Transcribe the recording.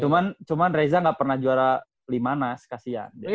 cuman cuman areza gak pernah juara lima nas kasihan